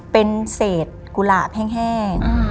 เป็นเศษกุหลาบแห้ง